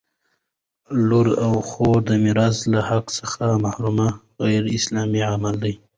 لور او خور د میراث له حق څخه محرومول غیراسلامي عمل دی!